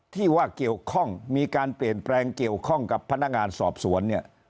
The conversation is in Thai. ที่ว่าเกี่ยวข้องมีการเปลี่ยนแปลงเกี่ยวข้องกับพนักงานสอบสวนเนี่ย